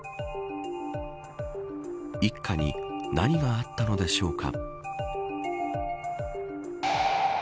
一家に何があったのでしょうか。